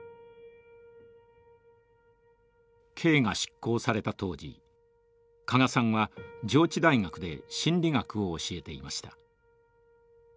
刑が執行された当時加賀さんは上智大学で心理学を教えていました。